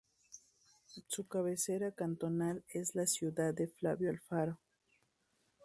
Su cabecera cantonal es la ciudad de Flavio Alfaro.